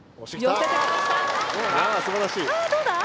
あどうだ？